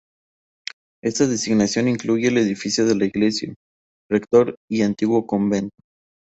Esta designación incluye el edificio de la iglesia, rector y antiguo convento.